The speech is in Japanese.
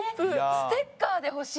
ステッカーで欲しい！